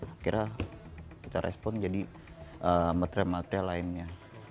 akhirnya kita respon jadi matre matre lainnya